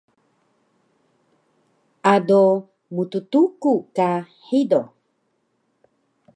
ado mttuku ka hido